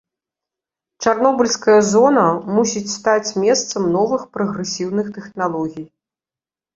Чарнобыльская зона мусіць стаць месцам новых прагрэсіўных тэхналогій.